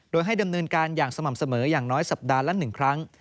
โดยให้ดำเนินการอย่างสม่ำเสมออย่างน้อยสัปดาห์ละ๑ครั้ง